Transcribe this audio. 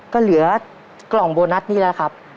ก็เหลือกล่องโบนัสนี่แหละครับ